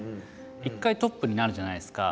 一回トップになるじゃないですか。